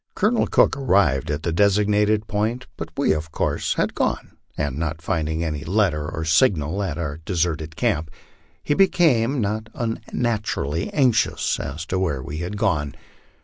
Colonel Cook arrived at the designated point, but we, of course, had gone, MY LIFE ON THE PLAINS. 225 and not finding any letter or signal at our deserted camp, he became, not un naturally, anxious as to where we had gone.